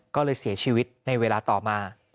ก็เลยเสียชีวิตในเวลาต่อมา